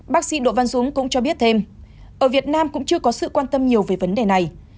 bác sĩ đỗ văn dũng cũng cho biết thêm ở việt nam cũng chưa có sự quan tâm nhiều về vấn đề này